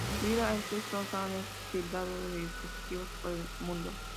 Debido a esto, Sam es tildado de fugitivo por el mundo.